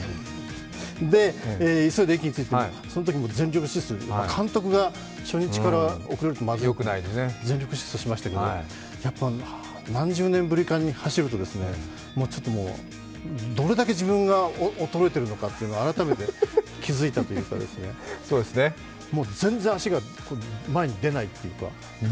急いで駅に着いて、そのときに全力疾走で、監督が初日から遅れるとまずいと思って全力疾走しましたけどやっぱり何十年ぶりかに走るとちょっとどれだけ自分が衰えてるか改めて気付いたというか、全然足が前に出ないというか。